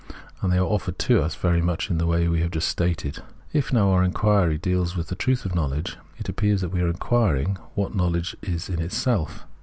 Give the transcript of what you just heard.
And they are offered to us very much in the way we have just stated. If now oitr inquiry deals with the truth of knowledge, it appears feljat we are inquiring what knowledge is in itself.